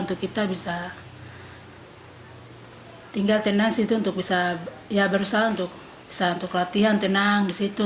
untuk kita bisa tinggal tenang disitu untuk bisa berusaha untuk bisa untuk latihan tenang di situ